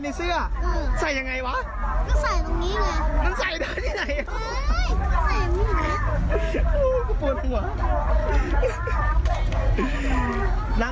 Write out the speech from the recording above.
พี่ชายให้หนูใส่ไหน